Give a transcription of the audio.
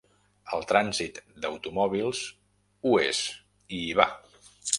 El trànsit d'automòbils ho és i hi va.